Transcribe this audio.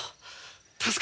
助かるよ。